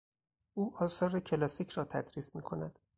او آثار کلاسیک را تدریس میکند.